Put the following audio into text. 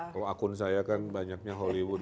kalau akun saya kan banyaknya hollywood